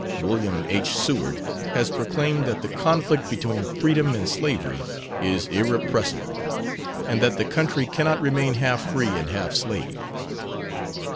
William H. Seward has proclaimed that the conflict between freedom and slavery is irrepressible, and that the country cannot remain half free and half slave."